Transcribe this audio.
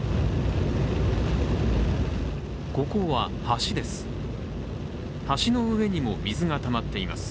ここは橋です。